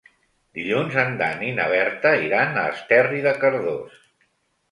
Dilluns en Dan i na Berta iran a Esterri de Cardós.